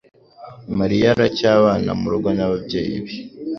Mariya aracyabana murugo n'ababyeyi be.